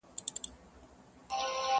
چي رقیب ستا په کوڅه کي زما سایه وهل په توره!!